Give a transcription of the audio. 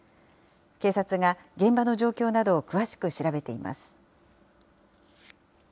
警察が現場の状況などを詳しく調べています。